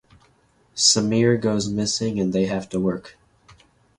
Sameer goes missing and they have to work.